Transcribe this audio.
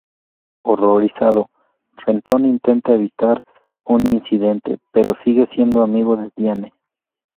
Horrorizado, Renton intenta evitar un incidente, pero sigue siendo amigo de Diane.